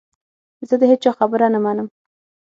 زه د هیچا خبره نه منم .